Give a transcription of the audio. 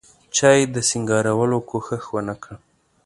چا یې د سینګارولو کوښښ ونکړ.